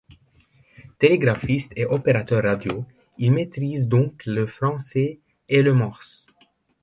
Télégraphiste et opérateur radio, il maîtrise donc le français et le morse.